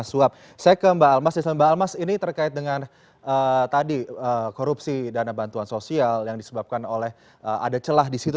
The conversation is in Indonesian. saya ke mbak almas isma mbak almas ini terkait dengan tadi korupsi dana bantuan sosial yang disebabkan oleh ada celah di situ